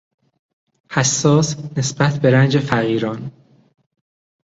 حساس نسبت به رنج فقیران